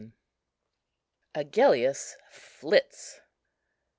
AGELLIUS FLITS.